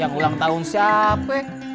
yang ulang tahun siapapun